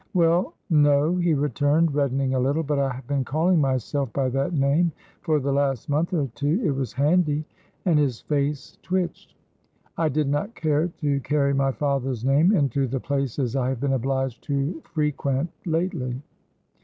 "Well, no," he returned, reddening a little, "but I have been calling myself by that name for the last month or two, it was handy," and his face twitched. "I did not care to carry my father's name into the places I have been obliged to frequent lately."